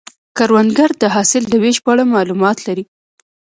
کروندګر د حاصل د ویش په اړه معلومات لري